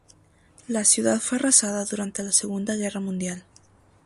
La ciudad fue arrasada durante la Segunda Guerra Mundial.